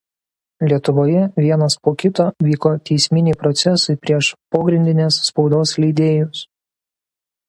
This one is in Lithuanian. Lietuvoje vienas po kito vyko teisminiai procesai prieš pogrindinės spaudos leidėjus.